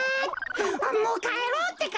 あっもうかえろうってか！